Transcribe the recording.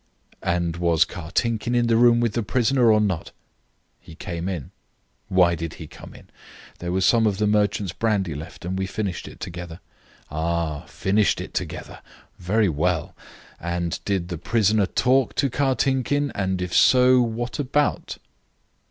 "And was Kartinkin in the room with the prisoner, or not?" "He came in." "Why did he come in?" "There was some of the merchant's brandy left, and we finished it together." "Oh, finished it together. Very well! And did the prisoner talk to Kartinkin, and, if so, what about?"